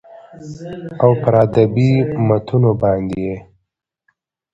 او پر ادبي متونو باندې يې